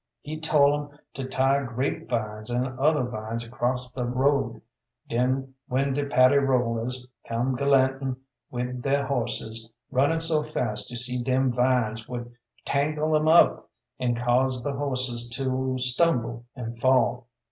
He tol' 'em to tie grape vines an' other vines across th' road, den when de Paddy rollers come galantin' wid their horses runnin' so fast you see dem vines would tangle 'em up an' cause th' horses to stumble and fall.